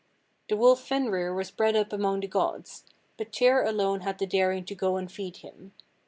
"The wolf Fenrir was bred up among the gods; but Tyr alone had the daring to go and feed him.